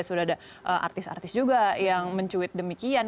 sudah ada artis artis juga yang mencuit demikian